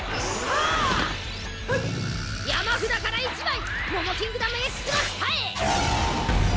山札から１枚モモキングダムＸの下へ。